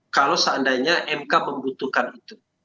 kalau seandainya mk membutuhkan itu